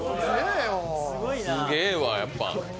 すげぇわ、やっぱ。